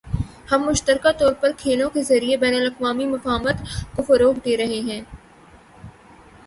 ہم مشترکہ طور پر کھیلوں کے ذریعے بین الاقوامی مفاہمت کو فروغ دے رہے ہیں